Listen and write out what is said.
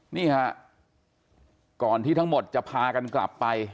นี่ฮะก่อนที่ทั้งหมดจะพากันกลับไป